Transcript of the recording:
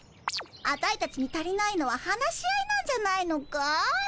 アタイたちに足りないのは話し合いなんじゃないのかい？